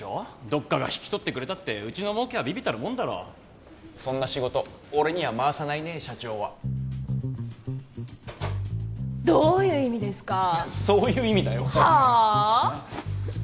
どっかが引き取ってくれたってうちの儲けは微々たるもんだろそんな仕事俺には回さないね社長はどういう意味ですかそういう意味だよはあ？